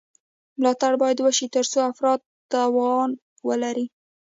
ملاتړ باید وشي ترڅو افراد توان ولري.